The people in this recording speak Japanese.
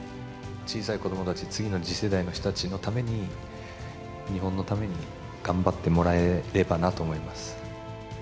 小さい子どもたち、次の次世代の人のために、日本のために頑張ってもらえればなと思います。